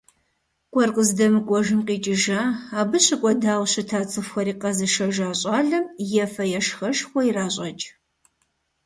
КӀуэр къыздэмыкӀуэжым къикӀыжа, абы щыкӀуэдауэ щыта цӀыхухэри къэзышэжа щӀалэм ефэ-ешхэшхуэ иращӀэкӀ.